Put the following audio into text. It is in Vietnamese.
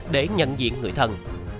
để nhận diện người thân